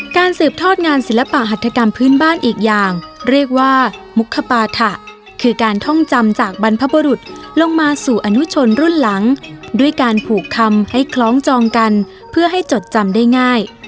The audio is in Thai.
สืบทอดงานศิลปะหัฐกรรมพื้นบ้านอีกอย่างเรียกว่ามุขปาถะคือการท่องจำจากบรรพบุรุษลงมาสู่อนุชนรุ่นหลังด้วยการผูกคำให้คล้องจองกันเพื่อให้จดจำได้ง่าย